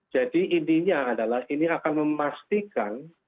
jadi intinya adalah ini akan memastikan